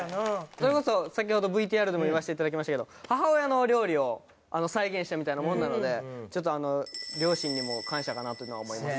それこそ先ほどＶＴＲでも言わせて頂きましたけど母親の料理を再現したみたいなもんなのでちょっと両親にも感謝かなというふうには思います。